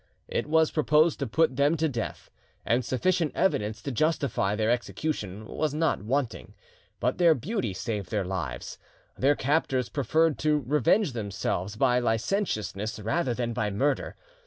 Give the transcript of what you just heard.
It was proposed to put them to death; and sufficient evidence to justify their execution was not wanting; but their beauty saved their lives; their captors preferred to revenge themselves by licentiousness rather than by murder.